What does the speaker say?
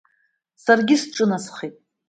Саргьы сҿынасхеит.